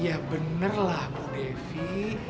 ya bener lah bu devi